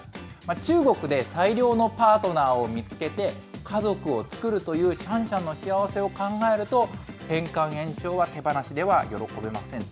中国で最良のパートナーを見つけて、家族を作るというシャンシャンの幸せを考えると、返還延長は手放しでは喜べませんと。